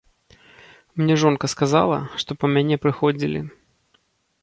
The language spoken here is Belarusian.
Мне жонка сказала, што па мяне прыходзілі.